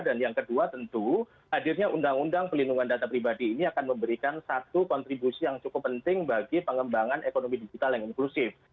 dan yang kedua tentu hadirnya undang undang perlindungan data pribadi ini akan memberikan satu kontribusi yang cukup penting bagi pengembangan ekonomi digital yang inklusif